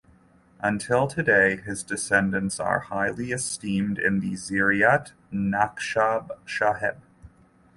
Until today his descendants are highly esteemed in the Ziyarat Naqshband Saheb.